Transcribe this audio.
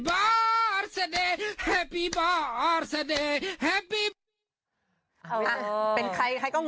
ไม่ใช่เสร็จพี่อ้อนเนาะ